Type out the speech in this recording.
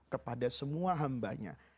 kepada semua hambanya